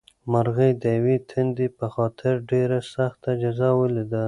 مرغۍ د یوې تندې په خاطر ډېره سخته جزا ولیده.